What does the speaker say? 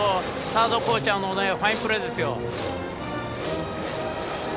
サードコーチャーのファインプレーですよ。